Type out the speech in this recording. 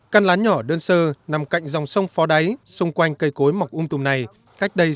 căn lán nhỏ đơn sơ nằm cạnh dòng sông phó đáy xung quanh cây cối mọc ung tùm này cách đây sáu mươi sáu năm